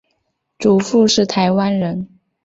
祖父是台湾人。